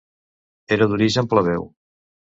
Era d'origen plebeu.